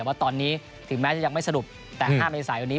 แต่ว่าตอนนี้ถึงแม้ยังไม่สรุปแต่ห้ามีสายวันนี้